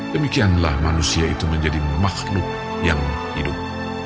demikianlah manusia itu menjadi makhluk yang hidup